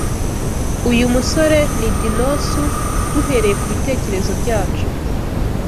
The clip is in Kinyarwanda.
Uyu musore "ni dinosu duhereye kubitekerezo byacu